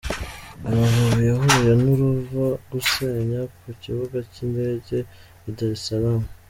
Amavubi yahuye n’uruva gusenya ku kibuga cy’indege I Dar es salaam.